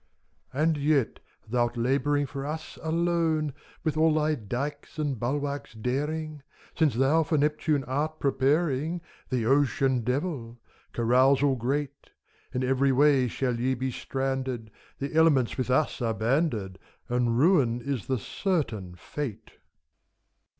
And yet, thou 'rt laboring for us alone, With all thy dikes and bulwarks daring; Since thou for Neptune art preparing — The Ocean Devil — carousal great. In every way shall ye be stranded ; The elements with us are banded. And ruin is the certain fate.